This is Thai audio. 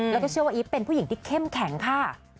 แล้วก็เชื่อว่าอีฟเป็นผู้หญิงที่เข้มแข็งค่ะ